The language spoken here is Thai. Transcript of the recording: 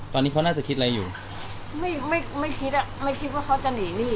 ตอนนี้เขาน่าจะคิดอะไรอยู่ไม่ไม่ไม่คิดอ่ะไม่คิดว่าเขาจะหนีหนี้